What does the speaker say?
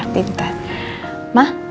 aku mau pulang dulu ya